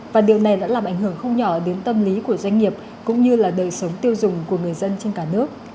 và điều này đã làm ảnh hưởng không nhỏ đến tâm lý của doanh nghiệp cũng như là đời sống tiêu dùng của người dân trên cả nước